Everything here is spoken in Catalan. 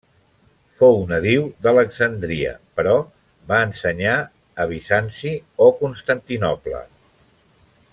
Fou nadiu d'Alexandria, però va ensenyar a Bizanci o Constantinoble.